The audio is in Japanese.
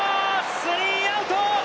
スリーアウト！